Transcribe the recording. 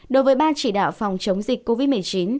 đối với ban chỉ đạo phòng chống dịch covid một mươi chín